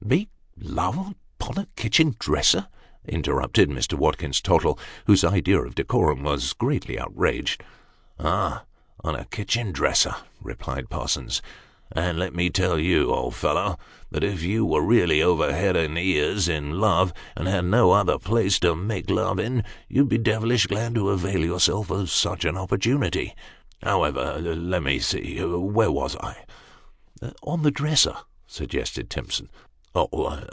" Make love upon a kitchen dresser !" interrupted Mr. Watkins Tottle, whose ideas of decorum were greatly outraged. " Ah ! On a kitchen dresser !" replied Parsons. " And lot me tell you, old fellow, that, if you were really over head and ears in love, and had no other place to make love in, you'd be devilish glad to avail yourself of such an opportunity. However, let me see ; where was I ?"" On the dresser," suggested Timson.